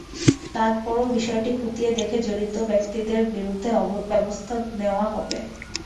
তার পরও বিষয়টি খতিয়ে দেখে জড়িত ব্যক্তিদের বিরুদ্ধে ব্যবস্থা নেওয়া হবে।